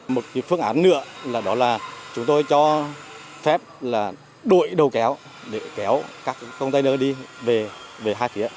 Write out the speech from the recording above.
một phương án nữa là chúng tôi cho phép đổi đầu kéo để kéo các container đi về hai phía